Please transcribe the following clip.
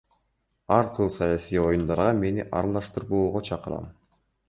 Ар кыл саясий оюндарга мени аралаштырбоого чакырам.